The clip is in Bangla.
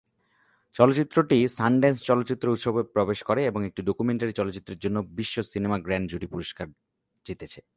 চলচ্চিত্রটি সানড্যান্স চলচ্চিত্র উৎসবে প্রবেশ করে এবং একটি ডকুমেন্টারি চলচ্চিত্রের জন্য বিশ্ব সিনেমা গ্র্যান্ড জুরি পুরস্কার জিতেছে।